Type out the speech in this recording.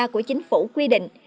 của chính phủ quy định